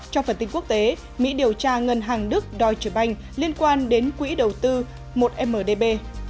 trong phần tin quốc tế mỹ điều tra ngân hàng đức deutsche bank liên quan đến quỹ đầu tư một mdb